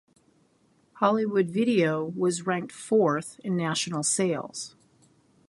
Hollywood Video was ranked fourth in national sales.